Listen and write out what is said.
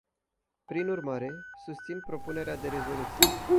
Prin urmare, susțin propunerea de rezoluție.